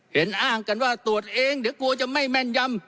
เห็นอ้างกันว่าตรวจเองเดี๋ยวกลัวจะไม่แม่นยำ